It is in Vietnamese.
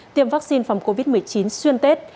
tiêm vaccine phòng covid một mươi chín xuyên tết